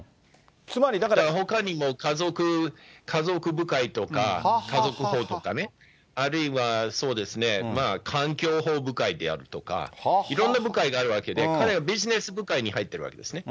だからほかにも家族部会とか、家族法とかね、あるいはそうですね、環境法部会であるとか、いろんな部会があるわけで、彼はビジネス部会に入ってるわけですね。